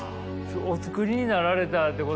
お作りになられたってことですか？